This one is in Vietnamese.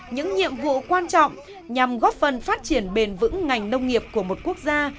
những nhiệm vụ quan trọng nhằm góp phần phát triển bền vững ngành nông nghiệp của một quốc gia